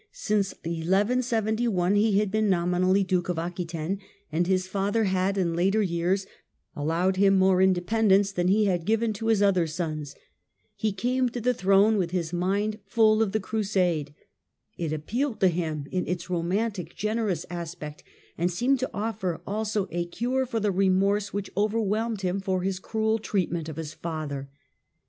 Since 1 1 7 1 he had been nomi nally Duke of Aquitaine, and his father had in later years allowed him more independence than he had given to his other sons. He came to the throne with his mind His peaceful full of the Cnisadc. It appealed to him in accession. j^g romantic, generous aspect, and seemed to offer also a cure for the remorse which overwhelmed him for his cruel treatment of his father.